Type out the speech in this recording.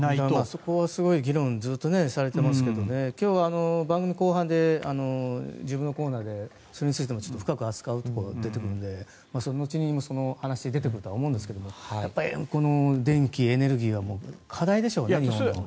そこは議論はずっとされていますけど今日、番組後半で自分のコーナーでそれについても深く扱うところが出てくるのでその後に話が出てくると思いますがやっぱり電気、エネルギーは課題でしょうね、日本の。